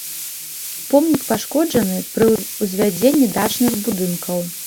Помнік пашкоджаны пры ўзвядзенні дачных будынкаў.